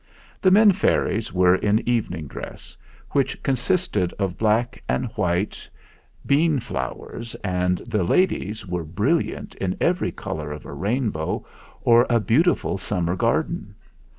The men fairies were in evening dress, which consisted of black and white bean flowers, and the ladies were brilliant in every colour of a rainbow or a beautiful summer garden.